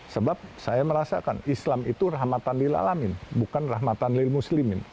sebab saya merasakan islam itu rahmatan lil alamin bukan rahmatan lil muslimin